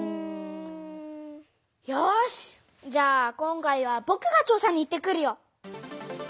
よしじゃあ今回はぼくが調さに行ってくるよ！